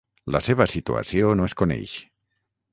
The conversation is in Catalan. La seva situació no es coneix.